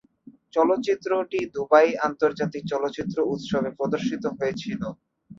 চলচ্চিত্রটি দুবাই আন্তর্জাতিক চলচ্চিত্র উৎসবে প্রদর্শিত হয়েছিল।